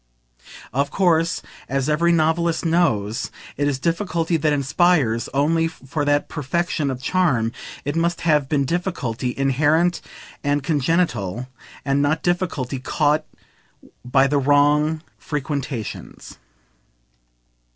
Of course, as every novelist knows, it is difficulty that inspires; only, for that perfection of charm, it must have been difficulty inherent and congenital, and not difficulty "caught" by the wrong frequentations.